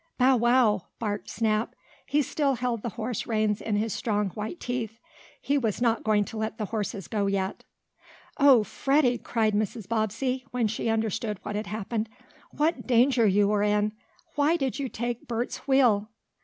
"Bow wow!" barked Snap. He still held the horse reins in his strong white teeth. He was not going to let the horses go yet. "Oh, Freddie!" cried Mrs. Bobbsey, when she understood what had happened. "What danger you were in! Why did you take Bert's wheel?"